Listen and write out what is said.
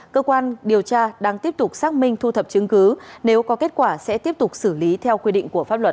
cơ quan điều tra đang tiếp tục xác minh thu thập chứng cứ nếu có kết quả sẽ tiếp tục xử lý theo quy định của pháp luật